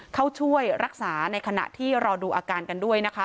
เข้าช่วยรักษาในขณะที่รอดูอาการกันด้วยนะคะ